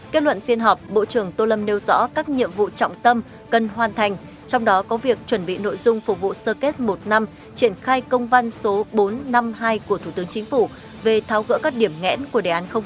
kết luận phiên họp bộ trưởng tô lâm nêu rõ các nhiệm vụ trọng tâm cần hoàn thành trong đó có việc chuẩn bị nội dung phục vụ sơ kết một năm triển khai công văn số bốn trăm năm mươi hai của thủ tướng chính phủ về tháo gỡ các điểm nghẽn của đề án sáu